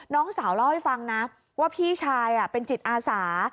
น้องสาวเล่าให้ฟังนะว่าพี่ชายเป็นจิตอาสา